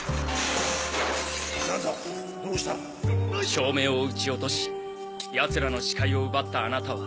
照明を撃ち落とし奴らの視界を奪ったあなたは。